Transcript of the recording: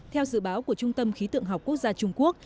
theo dự báo của trung tâm khí tượng học quốc gia trung quốc